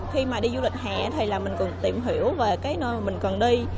khi mà đi du lịch hạ thì mình cần tìm hiểu về nơi mình cần đi